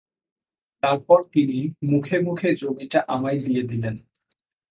তারপর তিনি মুখে মুখে জমিটা আমায় দিয়ে দিলেন।